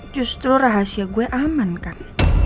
justru rahasia gue aman kang